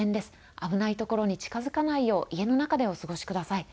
危ないところに近づかないよう家の中でお過ごしください。